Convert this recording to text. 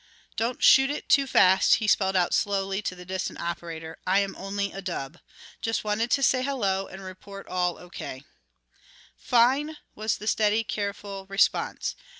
"Don't shoot it too fast," he spelled out slowly to the distant operator: "I am only a dub. Just wanted to say hello and report all O.K." "Fine," was the steady, careful response.